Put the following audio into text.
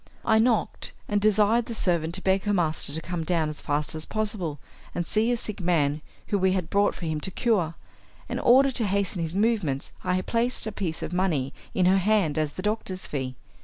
I knocked, and desired the servant to beg her master to come down as fast as possible and see a sick man whom we had brought for him to cure; and in order to hasten his movements I placed a piece of money in her hand as the doctor's fee.